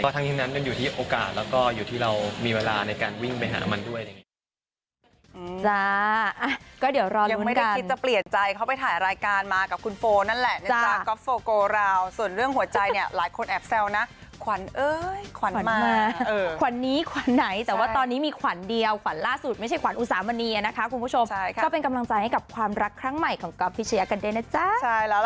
ก็ทั้งที่นั้นมันอยู่ที่โอกาสแล้วก็อยู่ที่เรามีเวลาในการวิ่งไปหามันด้วย